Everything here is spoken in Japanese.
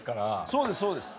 そうですそうです。